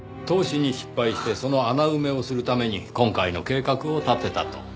投資に失敗してその穴埋めをするために今回の計画を立てたと。